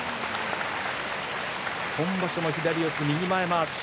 今場所も左四つ右まわし。